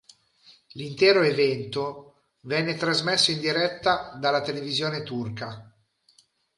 L'intero evento venne trasmesso in diretta dalla televisione turca.